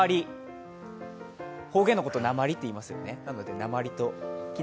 方言のこと、なまりって言いますよね。